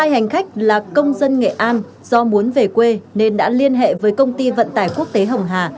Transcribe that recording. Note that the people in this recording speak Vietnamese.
hai hành khách là công dân nghệ an do muốn về quê nên đã liên hệ với công ty vận tải quốc tế hồng hà